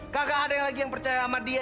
kagak ada yang lagi yang percaya sama dia